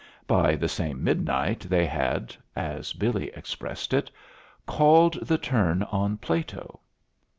By the same midnight they had, as Billy expressed it, called the turn on Plato.